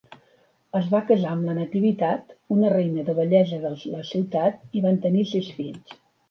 Es va casar amb la Natividad, una reina de bellesa de la ciutat, i van tenir sis fills.